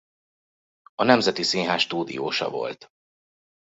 A Nemzeti Színház stúdiósa volt.